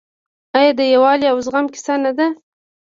آیا د یووالي او زغم کیسه نه ده؟